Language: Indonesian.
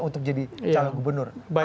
untuk jadi calon gubernur